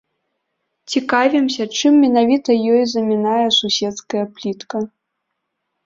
Цікавімся, чым менавіта ёй замінае суседская плітка.